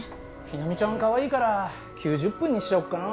ひなみちゃんかわいいから９０分にしちゃおっかな。